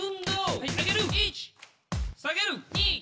はい上げる！